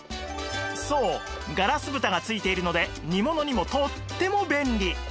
そうガラス蓋が付いているので煮物にもとっても便利